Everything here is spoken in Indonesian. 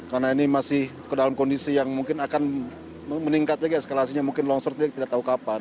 karena ini masih dalam kondisi yang mungkin akan meningkat lagi eskelasinya mungkin longsor tidak tahu kapan